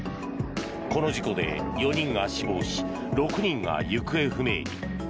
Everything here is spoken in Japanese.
この事故で４人が死亡し６人が行方不明に。